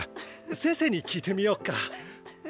先生に聞いてみようか。